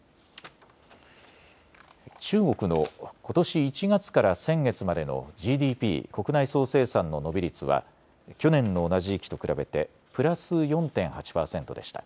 中国のことし１月から先月までのＧＤＰ・国内総生産の伸び率は去年の同じ時期と比べてプラス４．８％でした。